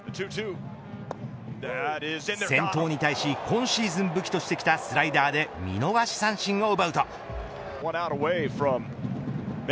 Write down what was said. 先頭に対し今シーズン武器としてきたスライダーで見逃し三振を奪うと。